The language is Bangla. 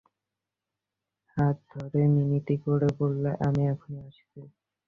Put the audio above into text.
হাত ধরে মিনতি করে বললে, আমি এখনই আসছি।